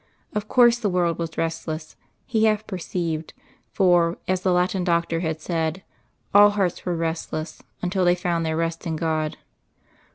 Of course the world was restless, he half perceived, for, as the Latin Doctor had said, all hearts were restless until they found their rest in God.